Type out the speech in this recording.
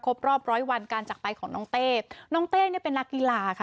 รอบร้อยวันการจักรไปของน้องเต้น้องเต้เนี่ยเป็นนักกีฬาค่ะ